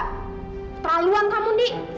keterlaluan kamu di